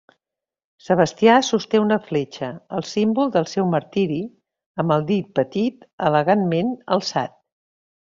Sebastià sosté una fletxa, el símbol del seu martiri, amb el dit petit elegantment alçat.